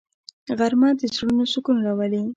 غرمه د زړونو سکون راولي